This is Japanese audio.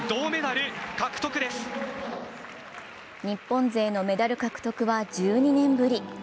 日本勢のメダル獲得は１２年ぶり。